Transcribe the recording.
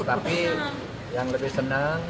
tapi yang lebih senang